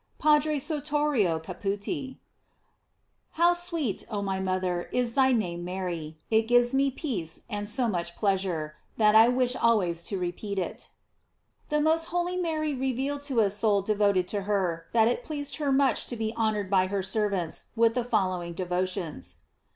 — P. Sortorio Caputi. How sweet, oh my mother, is thy name of Mary ! It gives me peace, and so much pleasure, That I wish always to repeat it. The most holy Mary revealed to a soul devoted to her, that it pleased her much to be honored by her servants with the following devotions.